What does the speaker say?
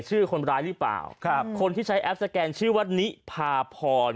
ชื่อคนร้ายหรือเปล่าครับคนที่ใช้แอปสแกนชื่อว่านิพาพร